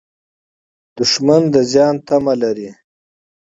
دښمن د زیان تمه لري